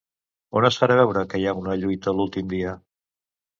On es farà veure que hi ha una lluita l'últim dia?